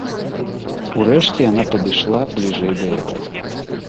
Урэшце яна падышла бліжэй да яго.